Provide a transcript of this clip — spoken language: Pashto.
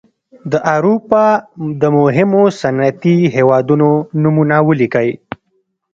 د اروپا د مهمو صنعتي هېوادونو نومونه ولیکئ.